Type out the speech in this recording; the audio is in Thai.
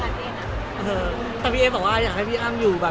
พี่เอ็มเค้าเป็นระบองโรงงานหรือเปลี่ยนไงครับ